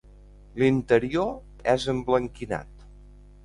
L'interior és emblanquinat.